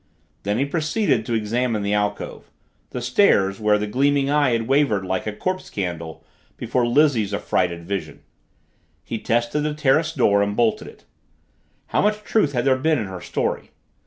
Then he proceeded to examine the alcove the stairs, where the gleaming eye had wavered like a corpse candle before Lizzie's affrighted vision. He tested the terrace door and bolted it. How much truth had there been in her story?